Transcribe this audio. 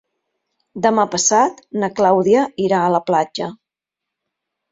Demà passat na Clàudia irà a la platja.